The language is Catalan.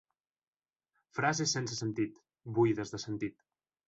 Frases sense sentit, buides de sentit.